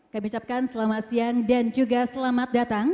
kami ucapkan selamat siang dan juga selamat datang